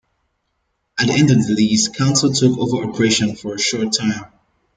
At the end of the lease council took over operation for a short time.